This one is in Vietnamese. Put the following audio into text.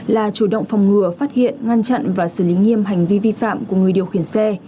là chủ động phòng ngừa phát hiện ngăn chặn và xử lý nghiêm hành vi vi phạm của người điều khiển xe